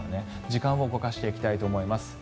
時間を動かしていきたいと思います。